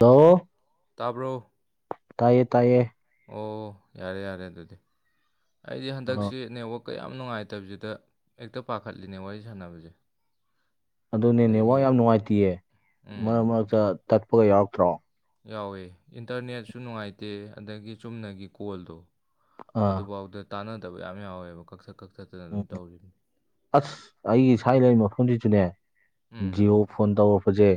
hello ꯇꯥꯕ꯭ꯔꯣ ꯇꯥꯏꯌꯦ ꯇꯥꯏꯌꯦ ꯑꯣ ꯌꯥꯔꯦ ꯌꯥꯔꯦ ꯑꯗꯨꯗꯤ ꯑꯩꯗꯤ ꯑꯥ ꯍꯟꯗꯛꯁꯤ ꯅꯦꯠꯋꯥꯛ ꯀꯌꯥꯝ ꯅꯨꯡꯉꯥꯏꯇꯕꯖꯤꯗ ꯍꯦꯛꯇ ꯄꯥꯈꯠꯂꯤꯅꯦ ꯋꯥꯔꯤ ꯁꯥꯟꯅꯕꯖꯦ ꯑꯗꯨꯅꯤꯅꯦ ꯅꯦꯠꯋꯥꯛ ꯌꯥꯝ ꯅꯨꯡꯉꯥꯏꯇꯤꯌꯦ ꯃꯔꯛ ꯎꯝ ꯃꯔꯛꯇ ꯇꯠꯄꯒ ꯌꯥꯎꯔꯛꯇ꯭ꯔꯣ ꯌꯥꯎꯋꯦ ꯏꯟꯇꯔꯅꯦꯠꯁꯨ ꯅꯨꯡꯉꯥꯏꯇꯦ ꯑꯗꯒꯤ ꯆꯨꯝꯅꯒꯤ ꯀꯣꯜꯗꯣ ꯑꯥ ꯑꯗꯨꯕꯥꯎꯗ ꯇꯥꯟꯅꯗꯕ ꯌꯥꯝ ꯌꯥꯎꯋꯦꯕ ꯀꯛꯊꯠ ꯀꯛ ꯎꯝ ꯑꯁ ꯑꯩꯒꯤ ꯁꯥꯏ ꯂꯩ ꯃꯐꯝꯖꯤꯖꯨꯅꯦ ꯎꯝ ꯖꯤꯑꯣ ꯐꯣꯟ ꯇꯧꯔꯛꯄꯖꯦ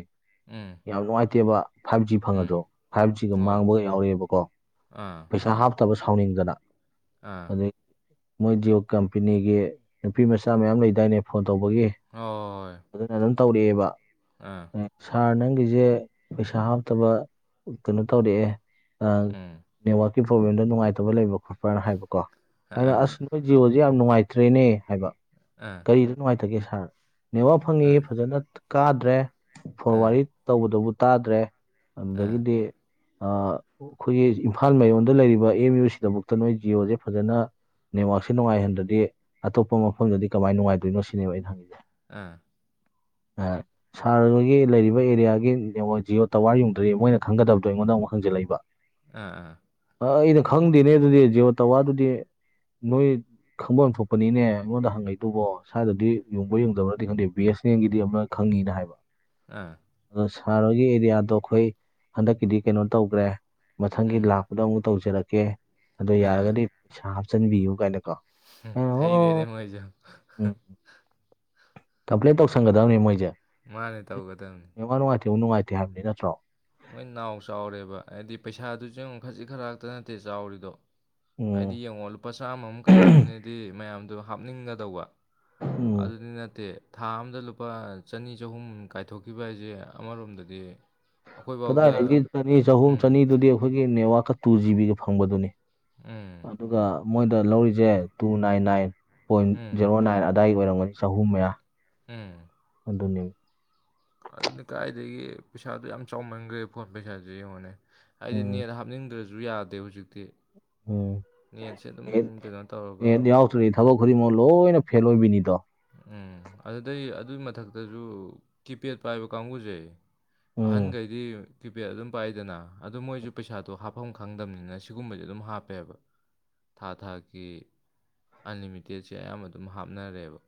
ꯎꯝ ꯌꯥꯝ ꯅꯨꯡꯉꯥꯏꯇꯦꯕ ꯐꯥꯏꯕ ꯖꯤ ꯎꯝ ꯐꯪꯉꯖꯨ ꯐꯥꯏꯕ ꯖꯤꯒ ꯍꯣꯏ ꯃꯥꯡꯕꯒ ꯌꯥꯎꯔꯛꯑꯦꯕꯀꯣ ꯑꯥ ꯄꯩꯁꯥ ꯍꯥꯞꯇꯕ ꯁꯥꯎꯅꯤꯡꯗꯅ ꯑꯥ ꯑꯗꯩ ꯃꯣꯏ ꯖꯤꯑꯣ ꯀꯝꯄꯦꯅꯤꯒꯤ ꯅꯨꯄꯤ ꯃꯆꯥ ꯃꯌꯥꯝ ꯂꯩꯗꯥꯏꯅꯦ ꯐꯣꯟ ꯇꯧꯕꯒꯤ ꯍꯣꯏ ꯑꯗꯨꯅ ꯑꯗꯨꯝ ꯇꯧꯔꯛꯑꯦꯕ ꯑꯥ ꯁꯥꯔ ꯅꯪꯒꯤꯖꯦ ꯄꯩꯁꯥ ꯍꯥꯞꯇꯕ ꯀꯩꯅꯣ ꯇꯧꯔꯛꯑꯦ ꯎꯝ ꯑ-ꯅꯦꯠꯋꯥꯔꯛꯀꯤ ꯄ꯭ꯔꯣꯕ꯭ꯂꯦꯝꯗ ꯅꯨꯡꯉꯥꯏꯇꯕ ꯂꯩꯕ ꯈꯣꯠꯄ꯭ꯔꯅ ꯍꯥꯏꯕꯀꯣ ꯑꯩꯅ ꯑꯥ ꯑꯁ ꯅꯣꯏ ꯖꯤꯑꯣꯖꯤ ꯖꯤ ꯌꯥꯝ ꯅꯨꯡꯉꯥꯏꯇ꯭ꯔꯦꯅꯦ ꯍꯥꯏꯕ ꯑꯥ ꯀꯔꯤꯗ ꯅꯨꯡꯉꯥꯏꯇꯒꯦ ꯁꯥꯔ ꯅꯦꯠꯋꯥꯔꯛ ꯐꯪꯉꯤ ꯑꯥ ꯐꯖꯅ ꯀꯥꯗ꯭ꯔꯦ ꯐꯣꯟ ꯑꯥ ꯋꯥꯔꯤ ꯇꯧꯕꯗꯕꯨ ꯇꯥꯗ꯭ꯔꯦ ꯑꯥ ꯑꯗꯒꯤꯗꯤ ꯑ ꯑꯩꯈꯣꯏꯒꯤ ꯏꯝꯐꯥꯜ ꯃꯌꯣꯟꯗ ꯂꯩꯔꯤꯕ ꯑꯦꯝ ꯌꯨ ꯁꯤꯗꯕꯨꯨꯛꯇ ꯅꯣꯏ ꯖꯤꯑꯣꯖꯦ ꯐꯖꯅ ꯅꯦꯠꯋꯥꯛꯁꯦ ꯁꯤ ꯅꯨꯡꯉꯥꯏꯍꯟꯗ꯭ꯔꯗꯤ ꯑꯇꯣꯞꯄ ꯃꯐꯝꯗꯗꯤ ꯀꯃꯥꯏꯅ ꯅꯨꯡꯉꯥꯏꯗꯣꯏꯅꯣ ꯁꯤꯅꯦꯕ ꯑꯩꯅ ꯍꯪꯉꯤꯖꯦ ꯑꯥ ꯑꯥ ꯁꯥꯔ ꯍꯣꯏꯒꯤ ꯂꯩꯔꯤꯕ ꯑꯦꯔꯤꯌꯥꯒꯤ ꯅꯦꯠꯋꯥꯔꯛ ꯖꯤꯑꯣ ꯇꯋꯥꯔ ꯌꯨꯡꯗ꯭ꯔꯥꯌꯦ ꯃꯣꯏꯅ ꯈꯪꯒꯗꯕꯗꯣ ꯑꯩꯉꯣꯟꯗ ꯑꯃꯨꯛ ꯍꯪꯖꯤꯜꯂꯛꯏꯕ ꯑꯥ ꯑꯥ ꯑ ꯑꯩꯅ ꯈꯪꯗꯦꯅꯦ ꯑꯗꯨꯗꯤ ꯖꯤꯑꯣ ꯇꯋꯥꯔꯗꯨꯗꯤ ꯅꯣꯏ ꯈꯪꯕ ꯑꯃ ꯊꯣꯛꯄꯅꯤꯅꯦ ꯑꯩꯉꯣꯟꯗ ꯍꯪꯉꯩꯇꯕꯣ ꯁ꯭ꯋꯥꯏꯗꯗꯤ ꯌꯨꯡꯕ ꯌꯨꯡꯗꯕꯅꯗꯤ ꯈꯪꯗꯦ ꯕꯤ ꯑꯦꯁ ꯑꯦꯝꯒꯤꯗꯤ ꯑꯃꯅ ꯈꯪꯉꯤꯅ ꯍꯥꯏꯕ ꯑꯥ ꯑꯗꯣ ꯁꯍꯔ ꯍꯣꯏꯒꯤ ꯑꯦꯔꯤꯌꯥꯗꯣ ꯑꯩꯈꯣꯏ ꯍꯟꯗꯛꯀꯤꯗꯤ ꯀꯩꯅꯣ ꯇꯧꯈ꯭ꯔꯦ ꯃꯊꯪꯒꯤ ꯎꯝ ꯂꯥ ꯑꯗꯨꯗ ꯑꯃꯨꯛ ꯇꯧꯖꯔꯛꯀꯦ ꯑꯗꯣ ꯑꯥ ꯌꯥꯔꯒꯗꯤ ꯄꯩꯁꯥ ꯍꯥꯞꯆꯤꯟꯕꯤꯌꯨ ꯀꯥꯏꯅꯀꯣ ꯑꯩꯅ ꯍꯩꯔꯦꯅꯦ ꯑꯣ ꯃꯣꯏꯁꯨ ꯎꯝ ꯀꯝꯄ꯭ꯂꯦꯟ ꯇꯧꯁꯟꯒꯗꯕꯅꯤ ꯃꯣꯏꯖꯦ ꯃꯥꯅꯦ ꯇꯧꯒꯗꯕꯅꯤ ꯅꯦꯠꯋꯥꯔꯛ ꯅꯨꯡꯉꯥꯏꯇꯦꯕꯨ ꯅꯨꯡꯉꯥꯏꯇꯦ ꯍꯥꯏꯕꯅꯤ ꯅꯠꯇ꯭ꯔꯣ ꯃꯣꯏ ꯅꯥꯎ ꯆꯥꯎꯔꯦꯕ ꯍꯥꯏꯗꯤ ꯄꯩꯁꯥꯗꯨꯖꯨ ꯌꯦꯡꯉꯨ ꯈꯖꯤꯛ ꯈꯔꯥꯛꯇ ꯅꯠꯇꯦ ꯆꯥꯎꯔꯤꯗꯣ ꯍꯥꯏꯗꯤ ꯎꯝ ꯌꯦꯡꯉꯣ ꯂꯨꯄꯥ ꯆꯥꯝꯃ ꯃ ꯀꯩ ꯑꯝꯅꯦꯗꯤ ꯃꯌꯥꯝꯗꯨ ꯍꯥꯞꯅꯤꯡꯒꯗꯧꯕ ꯎꯝ ꯑꯗꯨꯗꯤ ꯅꯠꯇꯦ ꯊꯥ ꯑꯃꯝꯗ ꯂꯨꯄꯥ ꯆꯅꯤ ꯆꯍꯨꯝ ꯀꯥꯏꯊꯣꯛꯈꯤꯕ ꯍꯥꯏꯖꯦ ꯑꯃꯔꯣꯝꯗꯗꯤ ꯑꯩꯈꯣꯏꯐꯥꯎꯗ ꯀꯗꯥꯏꯗꯒꯤ ꯆꯅꯤ ꯆꯍꯨꯝ ꯎꯝ ꯆꯅꯤꯗꯨꯗꯤ ꯑꯩꯈꯣꯏꯒꯤ ꯅꯦꯠꯋꯥꯛꯀ ꯇꯨ ꯖꯤꯕꯤꯒ ꯐꯪꯕꯗꯨꯅꯤ ꯎꯝ ꯑꯗꯨꯒ ꯃꯣꯏꯗ ꯂꯧꯔꯤꯁꯦ two nine nine point um zero nine ꯑꯗꯥꯏꯒꯤ ꯑꯣꯏꯔꯝꯒꯅꯤ ꯆꯍꯨꯝ ꯃꯌꯥ ꯎꯝ ꯑꯗꯨꯅꯤ ꯑꯗꯨꯅꯤ ꯀꯥꯏꯗꯒꯤ ꯄꯩꯁꯥꯗꯣ ꯌꯥꯝ ꯆꯥꯎꯃꯟꯈ꯭ꯔꯦ ꯐꯣꯟ ꯄꯩꯁꯥꯥꯁꯦ ꯌꯦꯡꯉꯣꯅꯦ ꯍꯥꯏꯗꯤ ꯎꯝ ꯅꯦꯠ ꯍꯥꯞꯅꯤꯡꯗ꯭ꯔꯁꯨ ꯌꯥꯗꯦ ꯍꯧꯖꯤꯛꯇꯤ ꯎꯝ ꯅꯦꯠꯁꯦ ꯑꯗꯨꯝ ꯀꯩꯅꯣ ꯇꯧꯔꯒ ꯔꯤ ꯊꯕ ꯈꯔꯤ ꯃꯣꯏ ꯂꯣꯏꯅ ꯐꯦꯜ ꯑꯣꯏꯅꯤ ꯇꯣ ꯎꯝ ꯑꯗꯨꯗꯩ ꯑꯗꯨꯏ ꯃꯊꯛꯇꯁꯨ ꯀꯤꯄꯦꯗ ꯄꯥꯏꯕ ꯀꯥꯡꯕꯨꯁꯦ ꯎꯝ ꯑꯍꯟꯈꯩꯗꯤ ꯀꯤꯄꯦꯗ ꯑꯗꯨꯝ ꯄꯥꯏꯗꯅ ꯑꯗꯨ ꯃꯣꯏꯁꯨ ꯄꯩꯁꯥꯗꯣ ꯍꯥꯞꯐꯝ ꯈꯪꯗꯝꯕꯅꯤꯅ ꯁꯤꯒꯨꯝꯕꯁꯦ ꯑꯗꯨꯝ ꯍꯥꯞꯄꯦꯕ ꯊꯥ ꯊꯥꯀꯤ ꯑꯟꯂꯤꯃꯤꯇꯦꯠꯁꯦ ꯑꯌꯥꯝꯕ ꯑꯗꯨꯝ ꯍꯥꯞꯅꯔꯦꯕ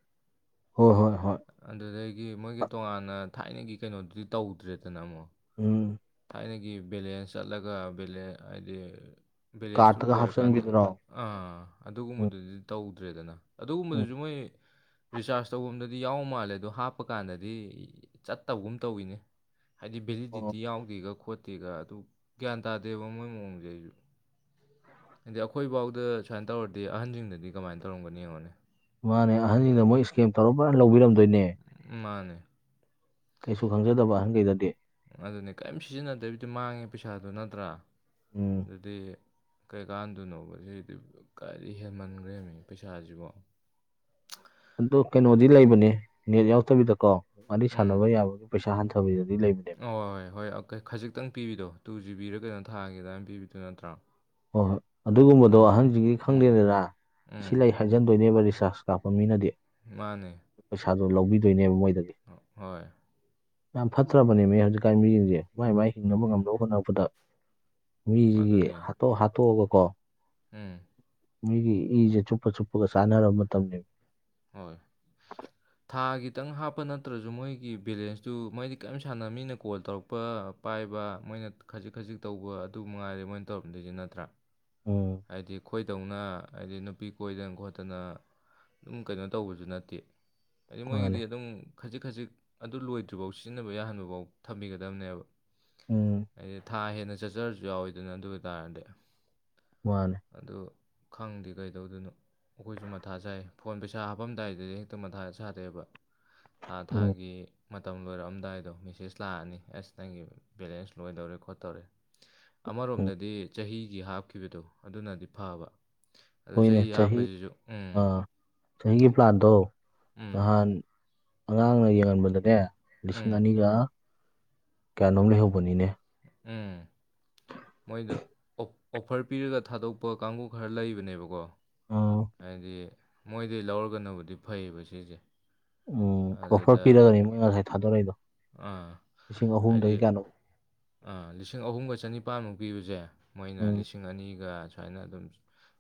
ꯍꯣꯏ ꯍꯣꯏ ꯍꯣꯏ ꯑꯗꯨꯗꯒꯤ ꯃꯣꯏꯒꯤ ꯑ ꯇꯣꯉꯥꯟꯅ ꯊꯥꯏꯅꯒꯤ ꯀꯩꯅꯣꯗꯨꯗꯤ ꯇꯧꯗ꯭ꯔꯦꯗꯅ ꯑꯃꯨꯛ ꯎꯝ ꯊꯥꯏꯅꯒꯤ ꯕꯦꯂꯦꯟꯁ ꯆꯠꯂꯒ ꯍꯥꯏꯗꯤ ꯕꯦꯂꯦꯟꯁꯇꯨ ꯀꯥꯔꯠꯇꯒ ꯂꯣꯏꯔꯀꯥꯟꯗ ꯍꯥꯞꯆꯤꯟꯕꯤꯗꯨꯔꯣ ꯑꯥ ꯎꯝ ꯑꯗꯨꯒꯨꯝꯕꯗꯨꯗꯤ ꯇꯧꯗ꯭ꯔꯦꯗꯅ ꯎꯝ ꯑꯗꯨꯒꯨꯝꯕꯗꯨꯁꯨ ꯃꯣꯏ ꯔꯤꯆꯥꯔꯖ ꯇꯧꯕꯐꯝ ꯑꯗ ꯑꯗꯨ ꯌꯥꯎ ꯃꯥꯜꯂꯦ ꯑꯗꯨꯗ ꯍꯥꯞꯄ ꯀꯥꯟꯗꯗꯤ ꯆꯠꯇꯕꯒꯨꯝ ꯇꯧꯋꯤꯅꯦ ꯍꯥꯏꯗꯤ ꯑꯣ ꯚꯦꯂꯤꯗꯤꯇꯤ ꯌꯥꯎ ꯒ ꯈꯣꯠꯇꯦꯒ ꯑꯗꯨ ꯒ꯭ꯌꯥꯟ ꯇꯥꯗꯦꯕ ꯃꯣꯏ ꯃꯑꯣꯡꯁꯦ ꯑꯩꯁꯨ ꯍꯥꯏꯗꯤ ꯑꯩꯈꯣꯏꯐꯥꯎꯗ ꯁꯨꯃꯥꯏꯅ ꯇꯧꯔꯗꯤ ꯑꯍꯟꯁꯤꯡꯗꯗꯤ ꯀꯃꯥꯏꯅ ꯇꯧꯔꯝꯒꯅꯤ ꯌꯦꯡꯉꯣꯅꯤ ꯃꯥꯅꯦ ꯑꯍꯟꯁꯤꯡꯅ ꯃꯣꯏ ꯏꯁꯀꯦꯝ ꯇꯧꯔꯄ꯭ꯔꯥꯅ ꯂꯧꯕꯤꯔꯝꯗꯣꯏꯅꯦ ꯃꯥꯅꯦ ꯀꯩꯁꯨ ꯈꯪꯖꯗꯕ ꯑꯍꯟꯒꯩꯗꯗꯤ ꯑꯗꯨꯅꯦ ꯀꯔꯤꯝ ꯁꯤꯖꯤꯟꯅꯗꯕꯤꯗꯨ ꯃꯥꯡꯉꯦ ꯄꯩꯁꯥꯗꯨꯣ ꯅꯠꯇ꯭ꯔꯥ ꯎꯝ ꯑꯗꯨꯗꯤ ꯀꯩꯀꯥꯟꯗꯣꯏꯅꯣꯕ ꯁꯤꯗꯤ ꯀꯥꯏꯗꯤ ꯍꯦꯟꯃꯟꯈ꯭ꯔꯦꯃꯤ ꯄꯩꯁꯥꯁꯤꯕꯣ ꯑꯗꯨꯗꯣ ꯀꯩꯅꯣꯗꯤ ꯂꯩꯕꯅꯦ ꯅꯦꯠ ꯌꯥꯎꯗꯕꯤꯗꯀꯣ ꯋꯥꯔꯤꯔꯤ ꯁꯥꯟꯅꯕ ꯌꯥꯕꯒꯤ ꯄꯩꯁꯥ ꯍꯟꯊꯕꯤꯗꯗꯤ ꯂꯩꯕꯅꯤ ꯍ ꯍꯣꯏ ꯍꯣꯏ ꯍꯣꯏ ꯈꯖꯤꯛꯇꯪ ꯄꯤꯕꯤꯗꯣ ꯇꯨ ꯖꯤꯕꯤꯔ ꯀꯩꯅꯣ ꯊꯥꯒꯦ ꯑꯗꯨꯃꯥꯏꯅ ꯄꯤꯕꯤꯗꯣ ꯅꯠꯇ꯭ꯔꯣ ꯍꯣꯏ ꯍꯣꯏ ꯑꯗꯨꯒꯨꯝꯕꯗꯣ ꯑꯗꯨ ꯑꯍꯪꯁꯤꯒꯤ ꯎꯝ ꯈꯪꯗꯦꯗꯔ ꯎꯝ ꯁꯤ ꯂꯩ ꯍꯥꯏꯖꯟꯗꯣꯏꯅꯦꯕ ꯔꯤꯆꯥꯔꯖ ꯀꯥꯞꯄ ꯃꯤꯅꯗꯤ ꯃꯥꯅꯦ ꯄꯩꯁꯥꯗꯨꯣ ꯂꯧꯕꯤꯗꯣꯏꯅꯦꯕ ꯃꯣꯏꯗꯒꯤ ꯍꯣꯏ ꯌꯥꯝ ꯐꯠꯇ꯭ꯔꯕꯅꯦ ꯃꯤ ꯍꯧꯖꯤꯛꯀꯥꯟ ꯃꯤꯁꯤꯡꯁꯦ ꯃꯥꯏ ꯃꯥꯏ ꯍꯤꯡꯅꯕ ꯉꯝꯅꯕ ꯍꯣꯠꯅꯅꯕꯗ ꯃꯤꯁꯤꯒꯤ ꯑꯗꯨꯅꯦ ꯍꯥꯠꯇꯣꯛ ꯍꯥꯠꯇꯣꯛꯑꯒꯀꯣ ꯎꯝ ꯃꯤꯒꯤ ꯏꯁꯦ ꯆꯨꯞꯄ ꯆꯨꯞꯄꯒ ꯆꯥꯟꯅꯔꯕ ꯃꯇꯝꯅꯤ ꯍꯣꯏ ꯊꯥ ꯈꯤꯇꯪ ꯍꯥꯞꯄ ꯅꯠꯇ꯭ꯔꯁꯨ ꯃꯣꯏꯒꯤ ꯕꯦꯂꯦꯟꯁꯇꯨ ꯃꯣꯏꯗꯤ ꯀꯔꯤꯝ ꯁꯥꯟꯅ ꯃꯤꯅ ꯀꯣꯜ ꯇꯧꯔꯛꯄ ꯄꯥꯏꯕ ꯃꯣꯏꯅ ꯈꯖꯤꯛ ꯈꯖꯤꯛ ꯇꯧꯕ ꯑꯗꯨ ꯃꯉꯥꯏꯔꯦ ꯃꯣꯏꯅ ꯇꯧꯔꯝꯗꯣꯏꯁꯤ ꯅꯠꯇ꯭ꯔꯥ ꯎꯝ ꯍꯥꯏꯗꯤ ꯈꯣꯏꯗꯧꯅ ꯍꯥꯏꯗꯤ ꯅꯨꯄꯤ ꯀꯣꯏꯗꯅ ꯈꯣꯠꯇꯅ ꯑꯗꯨꯝ ꯀꯩꯅꯣ ꯇꯧꯕꯁꯨ ꯅꯠꯇꯦ ꯍꯥꯏꯗꯤ ꯃꯥꯅꯦ ꯃꯣꯏꯒꯤꯗꯤ ꯑꯗꯨꯝ ꯈꯖꯤꯛ ꯈꯖꯤꯛ ꯑꯗꯨ ꯂꯣꯏꯗ꯭ꯔꯤꯐꯥꯎ ꯁꯤꯖꯤꯟꯅꯕ ꯌꯥꯍꯟꯕ ꯐꯥꯎ ꯊꯝꯕꯤꯒꯗꯕꯅꯦꯕ ꯎꯝ ꯍꯥꯏꯗꯤ ꯊꯥ ꯍꯦꯟꯅ ꯆꯠꯆꯔꯁꯨ ꯌꯥꯎꯋꯤꯗꯅ ꯑꯗꯨ ꯑꯣꯏꯇꯥꯥꯔꯗꯤ ꯃꯥꯅꯦ ꯑꯗꯨ ꯈꯪꯗꯦ ꯀꯩꯗꯧꯗꯣꯏꯅꯣ ꯑꯩꯈꯣꯏꯁꯨ ꯃꯊꯥ ꯁꯥꯏ ꯐꯣꯟ ꯄꯩꯁꯥ ꯍꯥꯞꯄꯝꯗꯥꯏꯗꯗꯤ ꯍꯦꯛꯇ ꯃꯊꯥ ꯁꯥꯥꯗꯦꯕ ꯊꯥ ꯎꯝ ꯊꯥꯒꯤ ꯃꯇꯝ ꯂꯣꯏꯔꯛꯑꯝꯗꯥꯏꯗꯣ ꯃꯦꯁꯦꯖ ꯂꯥꯛꯑꯅꯤ ꯑꯁ ꯅꯪꯒꯤ ꯕꯦꯂꯦꯟꯁ ꯂꯣꯏꯗꯧꯔꯦ ꯈꯣꯠꯇꯧꯔꯦ ꯎꯝ ꯑꯃꯔꯣꯝꯗꯗꯤ ꯆꯍꯤꯒꯤ ꯍꯥꯞꯈꯤꯕꯗꯣ ꯑꯗꯨꯅꯗꯤ ꯐꯕ ꯑꯗꯨ ꯆꯍꯤ ꯍꯥꯞꯄꯁꯤꯁꯨ ꯎꯝ ꯑꯥ ꯆꯍꯤꯒꯤ ꯄ꯭ꯂꯥꯟꯗꯣ ꯎꯝ ꯅꯍꯥꯟ ꯑꯉꯥꯡꯅ ꯌꯦꯡꯍꯟꯕꯗꯅꯦ ꯂꯤꯁꯤꯡ ꯎꯝ ꯑꯅꯤꯒ ꯀꯌꯥꯅꯣ ꯂꯩꯍꯧꯕꯅꯤꯅꯦ ꯎꯝ ꯃꯣꯏꯗ ꯑꯣꯐꯔ ꯄꯤꯔꯒ ꯊꯥꯗꯣꯛꯄ ꯀꯥꯡꯕꯨ ꯈꯔ ꯂꯩꯕꯅꯦꯕꯀꯣ ꯍꯥꯏꯗꯤ ꯃꯣꯏꯗꯒꯤ ꯂꯧꯔꯒꯅꯕꯨꯗꯤ ꯐꯩꯌꯦꯕ ꯁꯤꯁꯦ ꯎꯝ ꯑꯣꯐꯔ ꯑꯗꯨꯗ ꯄꯤꯔꯒꯅꯤ ꯃꯣꯏ ꯉꯁꯥꯏ ꯊꯥꯗꯣꯔꯛꯏꯗꯣ ꯑꯥ ꯂꯤꯁꯤꯡ ꯍꯥꯏꯗꯤ ꯑꯍꯨꯝꯗꯒꯤ ꯀꯌꯥꯅꯣ ꯥ ꯂꯤꯁꯤꯡ ꯑꯍꯨꯝꯒ ꯆꯅꯤꯄꯥꯥꯟꯃꯨꯛ ꯄꯤꯕꯁꯦ ꯃꯣꯏꯅ ꯎꯝ ꯂꯤꯁꯤꯡ ꯑꯅꯤꯒ ꯁꯨꯃꯥꯏꯅ ꯑꯗꯨꯝ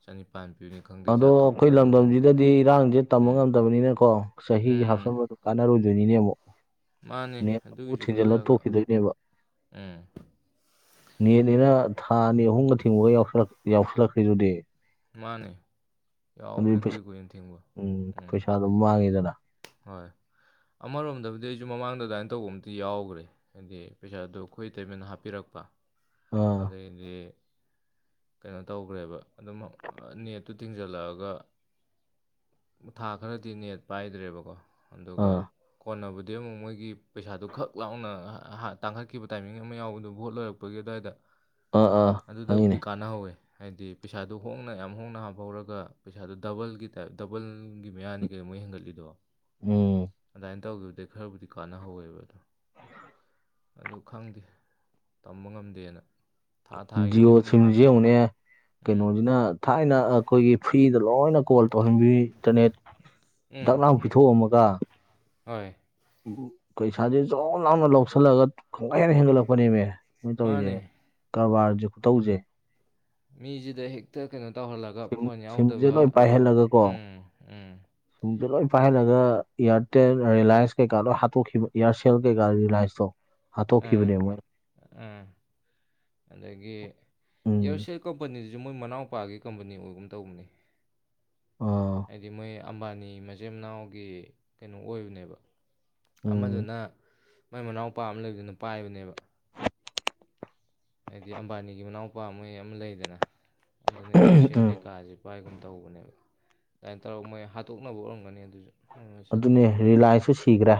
ꯆꯅꯤꯄꯥꯟ ꯄꯤꯅꯤ ꯈꯪ ꯑꯗꯣ ꯑꯩꯈꯣꯏ ꯂꯝꯗꯝꯁꯤꯗꯗꯤ ꯏꯔꯥꯡꯁꯦ ꯇꯝꯕ ꯎꯝ ꯉꯝꯗꯕꯅꯤꯅꯀꯣ ꯆꯍꯤꯒꯤ ꯎꯝ ꯍꯥꯞꯆꯟꯕꯗꯣ ꯀꯥꯟꯅꯔꯣꯏꯗꯣꯏꯅꯤꯅꯦ ꯑꯃꯨꯛ ꯃꯥꯅꯦ ꯅꯦꯠ ꯃꯨꯛ ꯑꯗꯨꯒꯤꯁꯨ ꯊꯤꯟꯖꯤꯜꯂꯒ ꯈꯜꯂꯒ ꯇꯣꯛꯈꯤꯗꯣꯏꯅꯦꯕ ꯎꯝ ꯅꯦꯠꯅꯤꯅ ꯊꯥ ꯑꯅꯤ ꯑꯍꯨꯝꯒ ꯊꯤꯡꯕꯒꯛꯌꯥꯎꯁꯜꯂꯛ ꯌꯥꯎꯁꯜꯂꯛꯔꯦꯗꯨꯗꯤ ꯃꯥꯅꯦ ꯌꯥꯎꯕꯅꯦ ꯀꯨꯏ ꯀꯨꯏꯅ ꯊꯦꯡꯕ ꯎꯝ ꯑꯗꯨꯝ ꯃꯥꯡꯉꯦꯗꯅ ꯍꯣꯏ ꯑꯃꯔꯣꯝꯗꯕꯨꯗꯤ ꯑꯩꯁꯨ ꯃꯃꯥꯡꯗ ꯑꯗꯨꯃꯥꯏꯅ ꯇꯧꯕ ꯑꯝꯇ ꯌꯥꯎꯈ꯭ꯔꯦ ꯍꯥꯏꯗꯤ ꯄꯩꯁꯥꯗꯨ ꯑꯩꯈꯣꯏ ꯏꯇꯩꯃꯅ ꯍꯥꯞꯄꯤꯔꯛꯄ ꯑꯥ ꯑꯗꯩꯗꯤ ꯀꯩꯅꯣ ꯇꯧꯈ꯭ꯔꯦꯕ ꯑꯗꯨꯝ ꯅꯦꯠꯇꯨ ꯊꯤꯡꯖꯜꯂꯛꯑꯒ ꯊꯥ ꯈꯔꯗꯤ ꯅꯦꯠ ꯄꯥꯏꯗ꯭ꯔꯦꯕꯀꯣ ꯑꯗꯨꯒ ꯑꯥ ꯀꯣꯟꯅꯕꯗꯤ ꯑꯃꯨꯛ ꯃꯣꯏꯒꯤ ꯄꯩꯁꯥꯗꯨ ꯈꯛ ꯂꯥꯎꯅ ꯇꯥꯡꯈꯠꯈꯤꯕ ꯇꯥꯏꯃꯤꯡ ꯑꯃ ꯌꯥꯎꯕꯗꯨ ꯚꯣꯠ ꯂꯣꯏꯔꯛꯄ ꯄꯒꯤ ꯑꯗꯨ꯭ꯋꯥꯏꯗ ꯑꯥ ꯑꯥ ꯑꯗꯨꯗꯕꯨꯗꯤ ꯈꯪꯉꯤꯅꯦ ꯀꯥꯟꯅꯍꯧꯋꯦ ꯍꯥꯏꯗꯤ ꯄꯩꯁꯥꯗꯨꯣ ꯍꯣꯡꯅ ꯌꯥꯝ ꯍꯣꯡꯅ ꯍꯥꯞꯄ ꯍꯧꯔꯒ ꯄꯩꯁꯥꯗꯨꯣ ꯗꯕꯜꯒꯤ ꯇꯥꯏꯞ ꯗꯕꯜꯒꯤ ꯃꯌꯥꯅꯤ ꯀꯩꯗꯣ ꯃꯣꯏ ꯍꯦꯟꯒꯠꯂꯤ ꯑꯗꯨꯗꯣ ꯎꯝ ꯑꯗꯨꯃꯥꯏꯅ ꯇꯧꯈꯤꯕꯗꯩ ꯈꯔꯕꯨꯗꯤ ꯀꯥꯟꯅꯍꯧꯋꯦꯕ ꯑꯗꯣ ꯑꯗꯨ ꯈꯪꯗꯦ ꯇꯝꯕ ꯉꯝꯗꯦꯅ ꯊꯥ ꯊꯥꯒꯤꯁꯦ ꯖꯤꯑꯣ ꯑꯗꯨꯝ ꯁꯤꯝꯁ ꯍꯥꯞꯄꯤꯁꯦ ꯌꯦꯡꯉꯨꯅꯦ ꯎꯝ ꯀꯩꯅꯣꯁꯤꯅ ꯊꯥꯏꯅ ꯑꯩꯈꯣꯏꯒꯤ ꯐ꯭ꯔꯤꯗ ꯂꯣꯏꯅ ꯀꯣꯜ ꯇꯧꯍꯟꯕꯤ ꯏꯟꯇꯔꯅꯦꯠ ꯎꯝ ꯗꯛ ꯂꯥꯡ ꯄꯤꯊꯣꯛꯑꯝꯃꯒ ꯍꯣꯏ ꯄꯩꯁꯥꯥꯁꯦ ꯆꯥꯎ ꯂꯥꯎꯅ ꯂꯧꯁꯜꯂꯒ ꯈꯪꯒ ꯍꯦꯟꯅ ꯍꯦꯟꯒꯠꯂꯛꯄꯅꯦꯃꯦ ꯃꯣꯏꯅ ꯇꯧꯔꯤꯁꯦ ꯃꯥꯅꯦ ꯀꯔꯕꯥꯔꯁꯦ ꯈꯨꯇꯧꯁꯦ ꯃꯤꯁꯤꯗ ꯍꯦꯛꯇ ꯀꯩꯅꯣ ꯇꯧꯍꯜꯂꯒ ꯁꯤꯝ ꯐꯣꯟ ꯁꯤꯝꯁꯦ ꯌꯥꯎꯗꯕ ꯂꯣꯏ ꯎꯝ ꯎꯝ ꯁꯤꯝꯗꫭ ꯂꯣꯏ ꯄꯥꯏꯍꯜꯂꯒ ꯏꯌꯥꯔꯇꯦꯜ ꯔꯤꯂꯥꯏꯟꯁ ꯀꯩꯀꯥ ꯂꯣꯏ ꯍꯥꯠꯇꯣꯛꯈꯤꯕ ꯏꯌꯥꯔꯁꯦꯜ ꯀꯩꯀꯥ ꯔꯤꯂꯥꯏꯟꯁꯇꯣ ꯑꯥ ꯍꯥꯠꯇꯣꯛꯈꯤꯕꯅꯦ ꯃꫭꯏ ꯎꯝ ꯑꯗꯒꯤ ꯏꯌꯥꯔꯁꯦꯜ ꯀꯝꯄꯅꯤꯗꯨꯁꯨ ꯃꯣꯏ ꯃꯅꯥꯎꯄꯥꯒꯤ ꯀꯝꯄꯅꯤ ꯑꯣꯏꯒꯨꯝ ꯇꯧꯕꯅꯤ ꯑꯥ ꯍꯥꯏꯗꯤ ꯃꯣꯏ ꯑꯝꯕꯥꯅꯤ ꯃꯆꯤꯟ ꯃꯅꯥꯎꯒꯤ ꯀꯩꯅꯣ ꯑꯣꯏꯕꯅꯦꯕ ꯎꯝ ꯑꯃꯗꯨꯅ ꯃꯣꯏ ꯃꯅꯥꯎꯄꯥ ꯑꯃ ꯂꯩꯕꯗꯨꯅ ꯄꯥꯏꯕꯅꯦꯕ ꯍꯥꯏꯗꯤ ꯑꯝꯕꯥꯅꯤꯒꯤ ꯃꯅꯥꯎꯄꯥ ꯃꫭꯏ ꯑꯃ ꯂꯩꯗꯅ ꯑꯗꯨꯅ ꯏꯌꯥꯔꯁꯦꯜ ꯎꯝ ꯀꯩꯀꯥꯁꯦ ꯄꯥꯏꯒꯨꯝ ꯇꯧꯕꯅꯦꯕ ꯑꯗꯨꯃꯥꯏꯅ ꯇꯧꯔꯒ ꯃꯣꯏ ꯍꯥꯠꯇꯣꯛꯅꯕ ꯎꯔꯝꯒꯅꯤ ꯑꯗꯨꯁꯨ ꯃꯣꯏ ꯑꯗꯨꯅꯦ ꯔꯤꯂꯥꯏꯟꯁꯁꯨ ꯁꯤꯈ꯭ꯔꯦ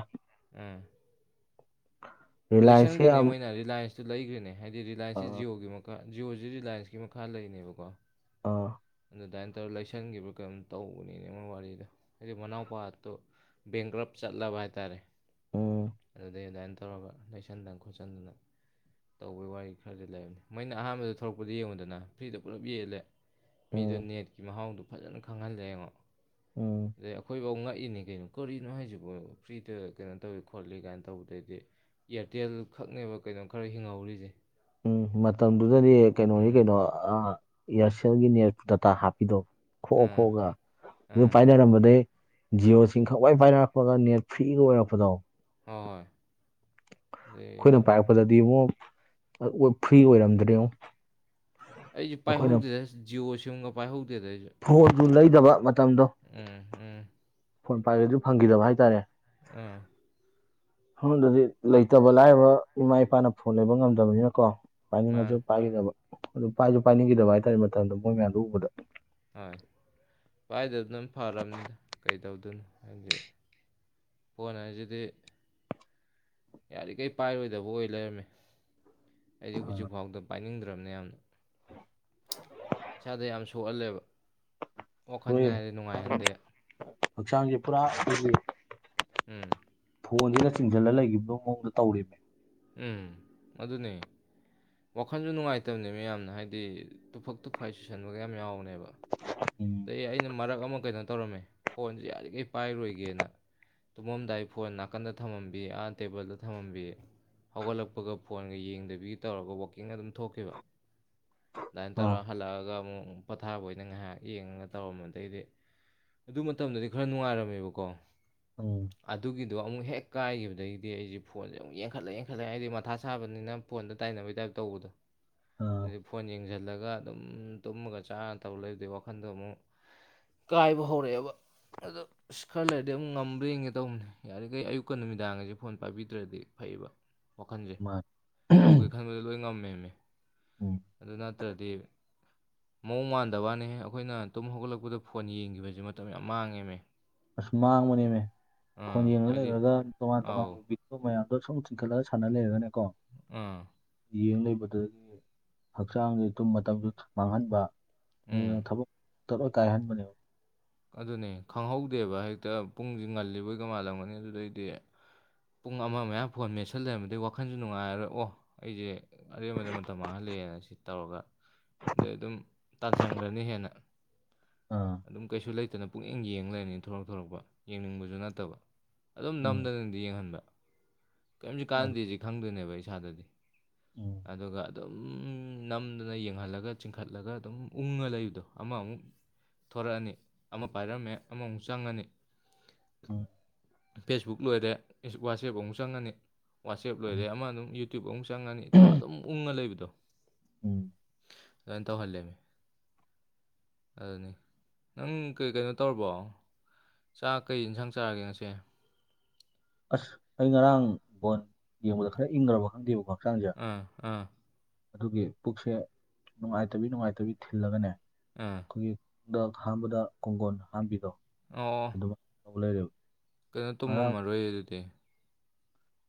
ꯑ ꯔꯤꯂꯥꯌꯟꯁꯁꯦ ꯂꯩꯁꯟꯈ꯭ꯔꯤꯅꯦ ꯌꯥꯝ ꯃꯣꯏꯅ ꯔꯤꯂꯥꯏꯟꯁꯇꯨ ꯂꯩꯈ꯭ꯔꯤꯅꯦ ꯍꯥꯏꯗꯤ ꯔꯤꯂꯥꯏꯟꯁꯁꯤ ꯑꯥ ꯖꯤꯌꯣꯒꯤ ꯃꯈꯥ ꯖꯤꯌꯑꯣꯁꯤ ꯔꯤꯂꯥꯏꯟꯁꯀꯤ ꯃꯈꯥ ꯂꯩꯅꯦꯕꯀꯣ ꯑꯥ ꯑꯗꯨꯃꯥꯏꯅ ꯇꯧꯔ ꯂꯩꯁꯟꯈꯤꯕ꯭ꯔꯥ ꯀꯩꯅꯝ ꯇꯧꯕꯅꯤꯅꯦ ꯃꫭꯏ ꯋꯥꯔꯤꯗꯣ ꯍꯥꯏꯗꯤ ꯃꯅꯥꯎꯄꯥꯇꯣ ꯕꯦꯡꯒ꯭ꯔꯞ ꯆꯠꯂꯕ ꯍꯥꯏꯇꯥꯔꯦ ꯎꯝ ꯑꯗꯨꯗꯩ ꯑꯗꯨꯃꯥꯏꯅ ꯇꯧꯔꯒ ꯂꯩꯁꯟꯗꯅ ꯈꯣꯠꯆꯟꯗꯅ ꯇꯧꯕꯩ ꯋꯥꯔꯤ ꯈꯔꯗꯤ ꯂꯩꯕꯅꯤ ꯃꯣꯏꯅ ꯑꯍꯥꯟꯕꯗ ꯊꯂꯛꯄꯗ ꯌꯦꯡꯉꯨꯗꯅ ꯐ꯭ꯔꯤꯗ ꯄꯨꯂꯞ ꯌꯦꯜꯂꯦ ꯃꯤꯗꯨ ꯎꯝ ꯅꯦꯠꯀꯤ ꯃꯍꯥꯎꯗꫭ ꯐꯖꯅ ꯈꯪꯍꯜꯂꯦ ꯌꯦꯡꯉꯣ ꯎꯝ ꯑꯗꯩ ꯑꯩꯈꯣꯏꯐꯧ ꯉꯛꯏꯅꯤ ꯀꯩꯅꯣ ꯀꯣꯂꯤꯅꯣ ꯍꯥꯏꯁꯤꯕꯨ ꯐ꯭ꯔꯤꯗ ꯀꯩꯅꯣ ꯇꯧꯏꯤ ꯈꯣꯠꯂꯤ ꯀꯥꯏꯅ ꯇꯧꯕꯗꯩꯗꯤ ꯏꯌꯥꯔꯇꯦꯜ ꯈꯛꯅꯦꯕ ꯀꯩꯅꯣꯝ ꯈꯔ ꯍꯤꯡꯍꯧꯔꯤꯁꯦ ꯎꯝ ꯃꯇꯝꯗꯨꯗꯗꯤ ꯀꯩꯅꯣꯅꯤ ꯎꯝ ꯀꯩꯅꯣ ꯏꯌꯥꯔꯁꯦꯜꯒꯤ ꯅꯦꯠ ꯗꯥꯇꯥ ꯍꯥꯞꯄꯤꯗꯣ ꯈꯣꯑ ꯑꯥ ꯈꯣꯑꯒ ꯑꯗꯨ ꯑꯥ ꯄꯥꯏꯅꯔꯝꯕꯗꯑꯩ ꯖꯤꯑꯣꯁꯤꯡ ꯈꯋꯥꯏ ꯄꯥꯏꯅꯔꯛꯄꯒ ꯅꯦꯠ ꯐ꯭ꯔꯤꯒ ꯑꯣꯏꯔꯛꯄꯗꯣ ꯍꯣꯏ ꯍꯣꯏ ꯑꯗꯩ ꯑꯩꯈꯣꯏꯅ ꯄꯥꯏꯔꯛꯄꯗꯗꯤ ꯑꯃꯨꯛ ꯐ꯭ꯔꯤ ꯑꯣꯏꯔꯝꯗ꯭ꯔꯦꯉꯛ ꯑꯩꯁꯦ ꯄꯥꯏꯍꯧꯗꯦꯗ ꯖꯤꯑꯣ ꯁꯤꯝꯒ ꯄꯥꯏꯍꯧꯗꯦꯗ ꯑꯩꯁꯨ ꯐꯣꯟꯗꯨ ꯂꯩꯗꯕ ꯃꯇꯝꯗꯣ ꯎꯝ ꯎꯝ ꯐꯣꯟ ꯄꯥꯏꯈꯦꯗꯨ ꯐꯪꯈꯤꯗꯕ ꯍꯥꯏꯇꯥꯔꯦ ꯎꯝ ꯍꯪꯗꯗꯤ ꯂꯩꯇꯕ ꯂꯥꯏꯔꯕ ꯏꯃꯥ ꯏꯄꯥꯅ ꯐꯣꯟ ꯂꯩꯕ ꯉꯝꯗꯕꯅꯤꯅꯀꯣ ꯄꯥꯏꯅꯤꯡꯉꯁꯨ ꯃꯥꯅꯤ ꯄꯥꯏꯈꯤꯗꯕ ꯑꯗꯨ ꯄꯥꯏꯁꯨ ꯄꯥꯏꯅꯤꯡꯈꯤꯗꯕ ꯍꯥꯏꯇꯥꯔꯦ ꯃꯇꯝꯗ ꯃꯣꯏ ꯃꯌꯥꯝꯗꯨ ꯎꯕꯗ ꯍꯣꯏ ꯄꯥꯏꯗꯅꯝ ꯐꯔꯕꯅꯤꯗ ꯀꯩꯗꯧꯗꯣꯏꯅꯣ ꯍꯥꯏꯗꯤ ꯐꯣꯟ ꯍꯥꯏꯁꯤꯗꯤ ꯌꯥꯔꯤꯈꫭꯏ ꯄꯥꯏꯔꯣꯏꯗꯕ ꯑꯣꯏ ꯂꯩꯔꯝꯃꯤ ꯑꯩꯗꯤ ꯍꯧꯖꯤꯛꯐꯥꯎꯗ ꯄꯥꯏꯅꯤꯡꯗ꯭ꯔꯕꯅꯤ ꯌꯥꯝꯅ ꯏꯁꯥꯗ ꯌꯥꯝ ꯁꯣꯛꯍꯜꯂꯦꯕ ꯋꯥꯈꯜ ꯍꯣꯏ ꯍꯥꯏꯗꯤ ꯅꯨꯡꯉꯥꯏꯍꯟꯗꯦ ꯍꯛꯆꯥꯡꯁꯦ ꯄꯨꯔꯥ ꯎꯝ ꯐꯣꯟꯁꯤꯗ ꯆꯤꯡꯁꯤꯜꯂ ꯂꯩꯈꯤꯕꯗꯨ ꯃꯑꯣꯡꯗ ꯇꯧꯔꯦꯅꯦ ꯎꯝ ꯑꯗꯨꯅꯤ ꯋꯥꯈꯟꯁꯨ ꯅꯨꯡꯉꯥꯏꯇꯕꯅꯦ ꯃꯦ ꯌꯥꯝꯅ ꯍꯥꯏꯗꯤ ꯇꯨꯐꯛ ꯇꯨꯐꯥꯏꯁꯨ ꯁꯟꯕꯒ ꯌꯥꯝ ꯌꯥꯎꯕꯅꯦꯕ ꯎꯝ ꯑꯗꯩ ꯑꯩꯅ ꯃꯔꯛ ꯑꯃ ꯀꯩꯅꯣ ꯇꯧꯔꯝꯃꯦ ꯐꯣꯟꯁꯦ ꯌꯥꯔꯤꯈꯩ ꯄꯥꯏꯔꯣꯏꯒꯦꯅ ꯇꯨꯝꯃꯝꯗꯥꯏ ꯐꯣꯟ ꯅꯥꯀꯟꯗ ꯊꯝꯃꯝꯕꯤ ꯑꯥ ꯇꯦꯕꯜꯗ ꯊꯝꯃꯝꯕꯤ ꯍꯧꯒꯠꯂꯛꯄꯒ ꯐꯣꯟꯒ ꯌꯦꯡꯗꯕꯤꯒ ꯇꯧꯔꯒ ꯋꯥꯛꯀꯤꯡ ꯑꯗꯨꯝ ꯊꯣꯛꯈꯤꯕ ꯑꯗꯨꯃꯥꯏꯅ ꯑꯥ ꯇꯧꯔ ꯍꯜꯂꯛꯑꯒ ꯑꯃꯨꯛ ꯄꯣꯊꯥꯕ ꯑꯣꯏꯅ ꯉꯥꯏꯍꯥꯛ ꯌꯦꯡꯉꯒ ꯇꯧꯔꯝꯕꯗꯩꯗꯤ ꯑꯗꯨ ꯃꯇꯝꯗꯗꯤ ꯈꯔ ꯅꯨꯡꯉꯥꯏꯔꯝꯃꯦꯕꯀꯣ ꯎꯝ ꯑꯗꯨꯒꯤꯗꯣ ꯑꯃꯨꯛ ꯍꯦꯛ ꯀꯥꯏꯈꯤꯕꯗꯒꯤꯗꯤ ꯑꯩꯁꯦ ꯐꯣꯟꯁꯦ ꯑꯃꯨꯛ ꯌꯦꯡꯈꯠꯂꯛꯑꯦ ꯈꯜꯂꯦ ꯑꯩꯗꯤ ꯃꯊꯥ ꯁꯥꯕꯅꯤꯅ ꯐꯣꯟꯗ ꯇꯥꯏꯅꯕꯒꯤ ꯇꯥꯏꯞ ꯇꯧꯕꯗꯣ ꯑꯥ ꯑꯗꯨꯩ ꯐꯣꯟ ꯌꯦꯡꯁꯤꯜꯂꯒ ꯑꯗꯨꯝ ꯇꯨꯝꯃꯒ ꯆꯥꯔ ꯇꯧꯔ ꯂꯩꯕꯩ ꯋꯥꯈꯟꯗꯣ ꯑꯃꯨꯛ ꯀꯥꯏꯕ ꯍꯧꯔꯛꯑꯦꯕ ꯑꯗꯣ ꯑꯁ ꯈꯔ ꯂꯩꯔꯗꯤ ꯉꯝꯕ꯭ꯔꯔꯤꯡꯒꯦ ꯇꯧꯕꯅꯦ ꯌꯥꯔꯤꯈꯩ ꯑꯌꯨꯛꯀ ꯅꯨꯃꯤꯗꯥꯡꯁꯦ ꯐꯣꯟ ꯄꯥꯏꯕꯤꯗ꯭ꯔꯗꯤ ꯐꯩꯕ ꯋꯥꯈꯟꯁꯦ ꯃꯥꯅꯤ ꯇꯧꯒꯦ ꯈꯟꯕꯗ ꯂꯣꯏ ꯉꯝꯃꯦꯅꯦ ꯎꯝ ꯑꯗꯨ ꯅꯠꯇ꯭ꯔꯗꯤ ꯃꯑꯣꯡ ꯃꯥꯟꯗꯕꯅꯦꯍ ꯑꯩꯈꯣꯏꯅ ꯇꯨꯝ ꯍꯧꯒꯠꯂꯛꯄꯗ ꯐꯣꯟ ꯌꯦꯡꯈꯤꯕꯁꯦ ꯃꯇꯝ ꯌꯥꯝ ꯃꯥꯡꯉꯦꯃꯦ ꯑꯁ ꯃꯥꯡꯕꯅꯦꯅꯦ ꯐꯣꯟ ꯑꯥ ꯌꯦꯡꯉꯒ ꯍꯥꯏꯗꯤ ꯂꯩꯈꯔꯒ ꯇꯣꯉꯥꯟ ꯑꯥꯎ ꯇꯣꯉꯥꯟꯕ ꯚꯤ ꯑ ꯃꯌꯥꯝꯗꯣ ꯁꯨꯝ ꯊꯤꯟꯈꯠꯂꯒ ꯁꯥꯟꯅ ꯂꯩꯔꯒꯅꯦꯀꯣ ꯑꯥ ꯌꯦꯡ ꯂꯩꯕꯗꯨꯗꯒꯤ ꯍꯛꯆꯥꯡꯁꯦ ꯇꯨꯝ ꯃꯇꯝꯁꯨ ꯃꯥꯡꯍꯟꯕ ꯎꯝ ꯊꯕꯛ ꯇꯔ ꯀꯥꯏꯍꯟꯕꯅꯦꯕ ꯑꯗꯨꯅꯦ ꯈꯪꯍꯧꯗꯦꯕ ꯍꯦꯛꯇ ꯄꯨꯡꯁꯤ ꯉꯜꯂꯤꯕꯩꯒ ꯃꯥꯜꯂꯝꯒꯅꯤ ꯑꯗꯨꯗꯩꯗꯤ ꯄꯨꯡ ꯑꯃ ꯃꯌꯥꯝ ꯐꯣꯟ ꯃꯦꯠꯁꯜ ꯂꯩꯔꯝꯝꯕꯗꯤ ꯋꯥꯈꯟꯁꯨ ꯅꯨꯡꯉꯥꯏꯔꯔꯣꯏ ꯑꯣ ꯑꯩꯁꯦ ꯑꯔꯦꯝꯕꯗ ꯃꯇꯝ ꯃꯥꯡꯍꯜꯂꯛꯑꯦꯅ ꯁꯤ ꯇꯧꯔꯒ ꯑꯗꯩ ꯑꯗꯨꯝ ꯇꯥꯟꯁꯤꯟꯈ꯭ꯔꯅꯤ ꯍꯦꯟꯅ ꯑꯥ ꯑꯗꯨꯝ ꯀꯩꯁꯨ ꯂꯩꯇꯅ ꯄꯨꯛꯅꯤꯡ ꯌꯦꯡꯂꯡ ꯂꯩꯅꯤ ꯊꯣꯔꯛ ꯊꯣꯔꯛꯄ ꯌꯦꯡꯅꯤꯡꯕꯁꯨ ꯅꯠꯇꯕ ꯑꯗꯨꯝ ꯎꯝ ꯅꯝꯗꯅ ꯌꯦꯡꯍꯟꯕ ꯀꯔꯤꯝꯁꯨ ꯑꯗꯨ ꯀꯥꯟꯅꯗꯦꯁꯤ ꯈꯪꯗꯣꯏꯅꯦꯕ ꯏꯁꯥꯗꯗꯤ ꯎꯝ ꯑꯗꯨꯒ ꯑꯗꯨꯝ ꯅꯝꯗꯨꯅ ꯌꯦꯡꯍꯜꯂꯒ ꯆꯤꯡꯈꯠꯂꯒ ꯑꯗꯨꯝ ꯎꯡꯉ ꯂꯩꯕꯗꯣ ꯑꯃꯃꯨꯛ ꯊꯣꯔꯛꯑꯅꯤ ꯑꯃ ꯄꯥꯏꯔꯝꯃꯦ ꯑꯃꯃꯨꯛ ꯆꯪꯉꯅꯤ ꯎꯝ ꯐꯦꯁꯕꯨꯛ ꯂꯣꯏꯔꯦ ꯋꯥꯆꯦꯞ ꯑꯃꯨꯛ ꯆꯪꯉꯅꯤ ꯋꯥꯆꯦꯞ ꯎꯝ ꯂꯣꯏꯔꯦ ꯑꯃ ꯑꯗꯨꯝ ꯌꯨꯇꯌꯨꯕ ꯑꯃꯨꯛ ꯆꯪ ꯆꯪꯉꯅꯤ ꯇꯣ ꯑꯗꯨꯝ ꯎꯪꯉ ꯂꯩꯕꯗꯣ ꯎꯝ ꯑꯗꯨꯃꯥꯏꯅ ꯇꯧꯍꯜꯂꯦꯃꯤ ꯑꯗꯨꯅꯤ ꯅꯪ ꯀꯩ ꯀꯩꯅꯣ ꯇꯧꯔꯕꯣ ꯆꯥꯛ ꯀꯩ ꯌꯦꯟꯁꯥꯡ ꯆꯥꯔꯒꯦ ꯉꯁꯤ ꯑꯁ ꯑꯩ ꯉꯔꯥꯡ ꯕꯣꯟ ꯌꯦꯡꯕꯗ ꯈꯔ ꯏꯪꯈꯕ ꯈꯪꯗꯦꯕꯀꯣ ꯍꯛꯆꯥꯡꯁꯦ ꯑꯥ ꯑꯥ ꯑꯗꯨꯒꯤ ꯄꯨꯛꯁꯦ ꯅꯨꯡꯉꯥꯏꯇꯕꯤ ꯅꯨꯡꯉꯥꯏꯇꯕꯤ ꯊꯤꯜꯂꯒꯅꯦ ꯑꯝ ꯑꯩꯈꯣꯏꯒꯤꯗꯛ ꯑꯍꯥꯟꯕꯗ ꯀꯣꯡꯒꯣꯟ ꯍꯥꯝꯕꯤꯗꯣ ꯑꯣ ꯗꯨꯃꯥꯏꯟ ꯇꯧ ꯂꯩꯔꯦꯕ ꯀꯩꯅꯣ ꯉꯔꯥꯡ ꯇꯨꯝꯃꯝꯃꯔꯣꯏ ꯑꯗꯨꯗꯤ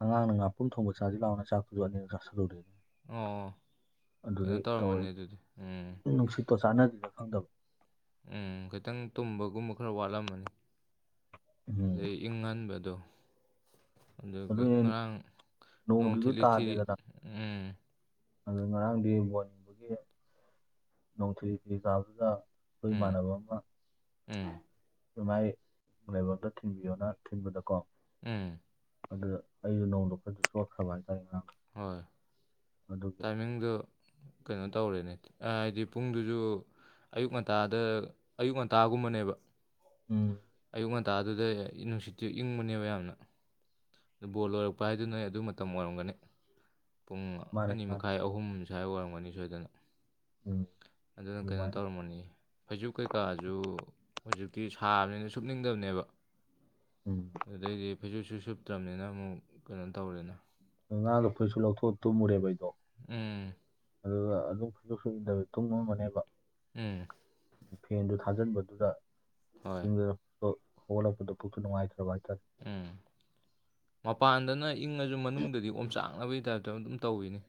ꯑꯉꯥꯡꯅ ꯉꯥꯄꯨꯝ ꯊꯣꯡꯕ ꯆꯥꯁꯤ ꯂꯥꯛꯅ ꯆꯥꯛꯇꯨꯁꯨ ꯑꯅꯤꯔ ꯆꯥꯥꯁꯜꯂꯨꯨꯔꯦꯅꯦ ꯑꯣ ꯑꯣ ꯀꯩꯅꯣ ꯇꯧꯔꯝꯃꯅꯤ ꯑꯗꯨꯗꯤ ꯎꯝ ꯇꯣ ꯆꯥꯟꯅꯗꯅ ꯈꯪꯗꯕ ꯎꯝ ꯈꯤꯇꯪ ꯇꯨꯝꯕꯒꯨꯝꯕ ꯈꯔ ꯋꯥꯠꯂꯝꯃꯅꯤ ꯎꯝ ꯑꯗꯩ ꯏꯪꯍꯟꯕꯗꯣ ꯑꯗꯨꯒꯤ ꯑꯗꯨꯅꯦ ꯉꯔꯥꯡ ꯅꯣꯡ ꯅꯣꯡꯗꯨꯁꯨ ꯊꯤꯂꯤ ꯊꯤꯗꯤ ꯇꯥꯗꯦꯗꯅ ꯎꯝ ꯑꯗꯨ ꯉꯔꯥꯡꯗꯤ ꯋꯥꯣꯅꯤꯡꯕꯒꯤ ꯅꯣꯡꯊꯤ ꯐꯤ ꯀꯥꯗꯨꯗ ꯈꯣꯏ ꯎꯝ ꯏꯃꯥꯟꯅꯕ ꯑꯃ ꯎꯝ ꯗꯨꯃꯥꯏ ꯂꯩꯕꯛꯗ ꯊꯤꯟꯕꯤꯌꯣꯅ ꯊꯤꯟꯕꯗꯀꯣ ꯎꯝ ꯑꯗꯨꯗ ꯑꯩꯁꯨ ꯅꯣꯡꯗ ꯈꯔꯗ ꯁꯣꯈ꯭ꯔꯕ ꯍꯥꯏꯇꯥꯔꯦ ꯉꯔꯥꯡ ꯍꯣꯏ ꯑꯗꯨꯗ ꯃꯃꯤꯡꯗꯣ ꯀꯩꯅꯣ ꯇꯧꯔꯦꯅꯦ ꯍꯥꯏꯗꯤ ꯄꯨꯡꯗꯨꯁꯨ ꯑꯌꯨꯛ ꯉꯟꯇꯥꯗ ꯑꯌꯨꯛ ꯉꯟꯇꯥꯒꯨꯝꯕꯅꯦꯕ ꯎꯝ ꯑꯌꯨꯛ ꯉꯟꯇꯥꯗꯨꯗ ꯌꯅꯤꯚꯔꯁꯤꯇꯤ ꯏꯪꯕꯅꯦꯕ ꯌꯥꯝꯅ ꯑꯗꯨ ꯕꯣꯜ ꯂꯣꯏꯔꯛꯄ ꯍꯥꯏꯗꯨ ꯅꯣꯏ ꯑꯗꯨ ꯃꯇꯝ ꯑꯣꯏꯔꯝꯒꯅꯤ ꯄꯨꯡ ꯃꯥꯅꯦ ꯑꯅꯤ ꯃꯥꯅꯦ ꯃꯈꯥꯏ ꯑꯍꯨꯝ ꯁ꯭ꯋꯥꯏ ꯑꯣꯏꯔꯝꯒꯅꯤ ꯁꯣꯏꯗꯅ ꯎꯝ ꯑꯗꯨꯅ ꯀꯩꯅꯣ ꯑꯗꯨꯃꯥꯏꯅ ꯇꯧꯔꯝꯃꯅꯤ ꯐꯩꯖꯨ ꯀꯩꯀꯥꯁꯨ ꯍꯧꯖꯤꯛꯇꯤ ꯁꯥꯕꯅꯤꯅ ꯁꯨꯞꯅꯤꯡꯗꯕꯅꯦꯕ ꯎꯝ ꯑꯗꯨꯗꯩꯗꯤ ꯐꯩꯖꯨꯞꯁꯨ ꯁꯨꯞꯇ꯭ꯔꯕꯅꯤꯅ ꯑꯃꯨꯛ ꯀꯩꯅꯣ ꯇꯧꯔꯦꯅ ꯉꯔꯥꯡꯗꯣ ꯐꯩꯖꯨꯞꯁꯨ ꯂꯧꯊꯣꯛꯑ ꯇꯨꯝꯃꯨꯔꯦꯕ ꯑꯩꯗꯣ ꯎꯝ ꯑꯗꯨꯒ ꯑꯗꯨꯝ ꯐꯁꯨꯁꯨ ꯏꯟꯗ ꯇꯨꯝꯝ ꯑꯃꯅꯦꯕ ꯎꯝ ꯐꯦꯟꯗꯨ ꯊꯥꯖꯤꯟꯕꯗꯨꯗ ꯍꯣꯏ ꯌꯦꯤꯡꯖꯔ ꯍꯣꯕ ꯄꯨꯅꯅꯨꯡꯉꯥꯏꯔ ꯑꯣꯏꯔꯦ ꯎꯝ ꯃꯄꯥꯟꯗꯅ ꯏꯪꯉꯁꯨ ꯃꯅꯨꯡꯗꯗꯤ ꯑꯣꯝꯆꯥꯛꯅꯕꯒꯤ ꯇꯥꯏꯞꯇ ꯑꯗꯨꯝ ꯇꯧꯋꯅꯤ